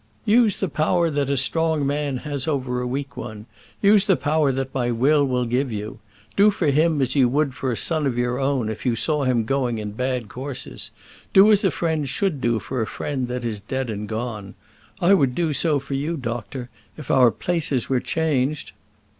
"Use the power that a strong man has over a weak one. Use the power that my will will give you. Do for him as you would for a son of your own if you saw him going in bad courses. Do as a friend should do for a friend that is dead and gone. I would do so for you, doctor, if our places were changed."